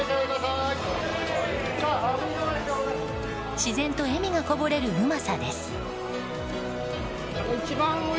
自然と笑みがこぼれるうまさです。